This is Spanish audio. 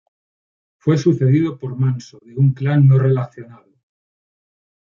Fue sucedido por Manso, de un clan no relacionado.